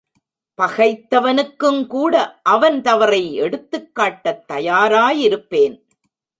பகைத்தவனுக்குங்கூட அவன் தவறை எடுத்துக்காட்டத் தயாராயிருப்பேன்.